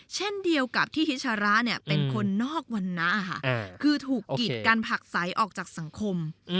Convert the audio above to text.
เช่นเดียวกับที่ฮิชาระเป็นคนนอกวันนะคือถูกกิจการผักใสออกจากสังคม